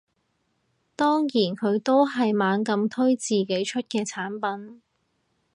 當然佢都係猛咁推自己出嘅產品